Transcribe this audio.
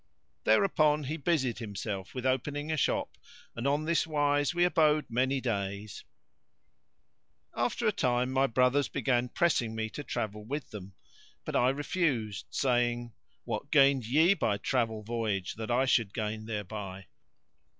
Thereupon he busied himself with opening a shop and on this wise we abode many days. After a time my brothers began pressing me to travel with them; but I refused saying, "What gained ye by travel voyage that I should gain thereby?"